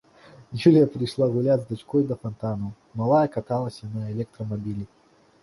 Юлія прыйшла гуляць з дачкой да фантанаў, малая каталася на электрамабілі.